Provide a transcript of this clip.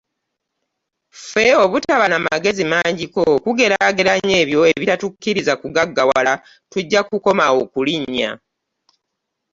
Ffe obutaba n'amagezi mangiko kugeraageranya ebyo ebitatukkiriza kugaggawala, tujja kukoma awo ku linnya.